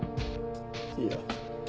いや。